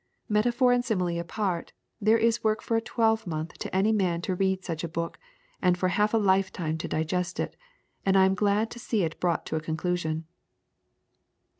"Metaphor and simile apart, there is work for a twelve month to any man to read such a book, and for half a lifetime to digest it, and I am glad to see it brought to a conclusion."